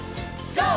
ＧＯ！